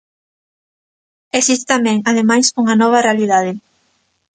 Existe tamén, ademais, unha nova realidade.